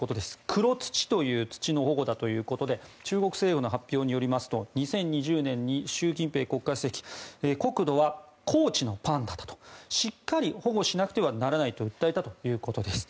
黒土という土の保護だということで中国政府の発表によりますと２０２０年に習近平国家主席黒土は耕地のパンダだとしっかり保護しなくてはならないと訴えたということです。